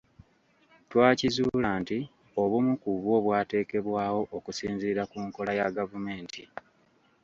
Twakizuula nti obumu ku bwo bwateekebwawo okusinziira ku nkola ya gavumenti.